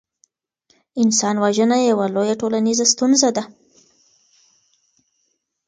انسان وژنه یوه لویه ټولنیزه ستونزه ده.